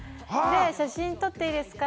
写真撮っていいですか？